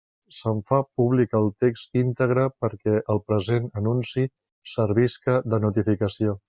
Se'n fa públic el text íntegre perquè el present anunci servisca de notificació.